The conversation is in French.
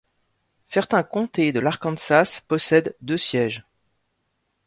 Certains comtés de l'Arkansas possèdent deux sièges.